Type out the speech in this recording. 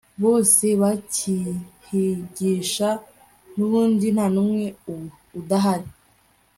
bose bakihigisha nubundi ntanumwe udahari